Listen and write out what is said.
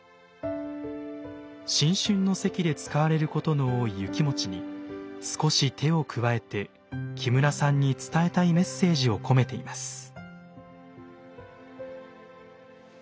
新春の席で使われることの多い雪餅に少し手を加えて木村さんに伝えたいメッセージを込めています。